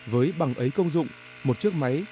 với bằng ấy công dụng một chiếc máy